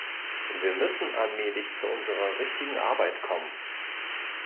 Wir müssen allmählich zu unserer richtigen Arbeit kommen!